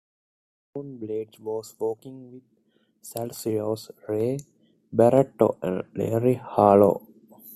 Soon Blades was working with salseros Ray Barretto and Larry Harlow.